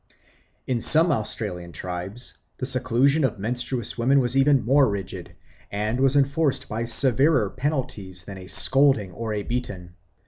In some Australian tribes the seclusion of menstruous women was even more rigid, and was enforced by severer penalties than a scolding or a beating.